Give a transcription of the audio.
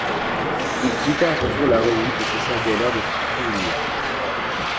Il quitta à son tour la revue qui cessa dès lors d'être publié.